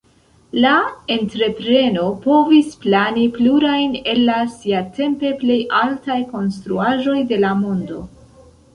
La entrepreno povis plani plurajn el la siatempe plej altaj konstruaĵoj de la mondo.